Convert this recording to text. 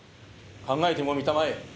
考えてもみたまえ。